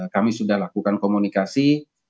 kami sudah lakukan komunikasi